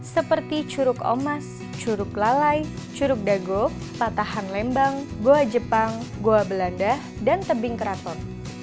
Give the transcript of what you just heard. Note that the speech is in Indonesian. seperti curug omas curug lalai curug dago patahan lembang goa jepang goa belanda dan tebing keraton